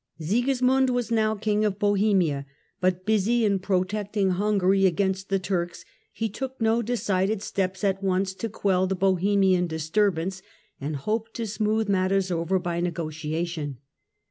Sigismund was now King of Bohemia ; but busy in protecting Hungary against the Turks, he took no decided steps at once to quell the Bohemian disturb ance, and hoped to smooth matters over by negotiation.